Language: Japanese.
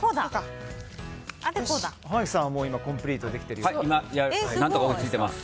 濱口さんはコンプリートできているようです。